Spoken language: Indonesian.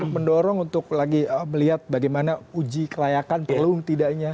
mendorong untuk lagi melihat bagaimana uji kelayakan perlu tidaknya